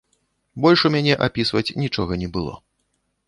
Больш у мяне апісваць нічога не было.